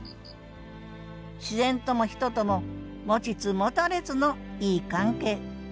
自然とも人とも持ちつ持たれつのいい関係